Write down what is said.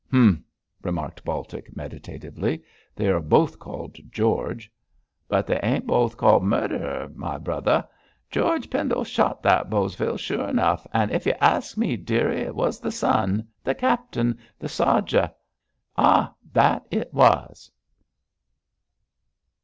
'Humph!' remarked Baltic, meditatively, 'they are both called George.' 'But they ain't both called murderer, my brother. George Pendle shot that Bosvile sure enough, an' ef y'arsk me, dearie, it was the son the captain the sodger. Ah, that it was!'